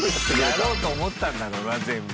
やろうと思ったんだろうな全部。